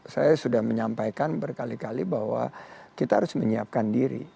saya sudah menyampaikan berkali kali bahwa kita harus menyiapkan diri